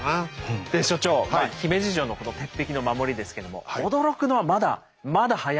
で所長姫路城のこの鉄壁の守りですけども驚くのはまだまだ早い。